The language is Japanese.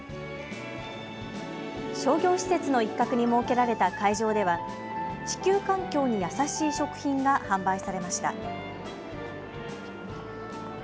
商業施設の一角に設けられた会場では地球環境に優しい食品が販売されました。